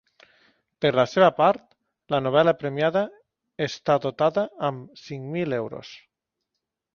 Per la seva part la novel·la premiada està dotada amb cinc mil euros.